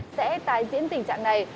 sẽ tái diễn tình trạng này